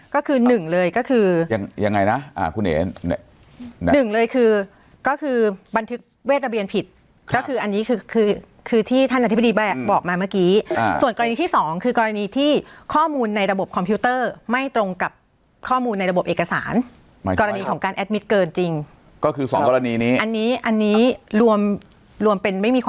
ก็คือหนึ่งเลยก็คือยังไงนะคุณเอ๋หนึ่งเลยคือก็คือบันทึกเวทระเบียนผิดก็คืออันนี้คือคือที่ท่านอธิบดีบอกมาเมื่อกี้ส่วนกรณีที่สองคือกรณีที่ข้อมูลในระบบคอมพิวเตอร์ไม่ตรงกับข้อมูลในระบบเอกสารกรณีของการแอดมิตรเกินจริงก็คือสองกรณีนี้อันนี้รวมรวมเป็นไม่มีค